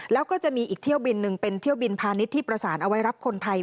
แล้วก็จะมีอีกเที่ยวบินหนึ่งเป็นเที่ยวบินพาณิชย์ที่ประสานเอาไว้รับคนไทย